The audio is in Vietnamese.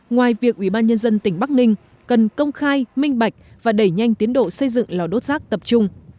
ngoài việc ubnd tỉnh bắc ninh cần công khai minh bạch và đẩy nhanh tiến độ xây dựng lò đốt rác tập trung